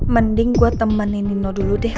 mending gue temenin nino dulu deh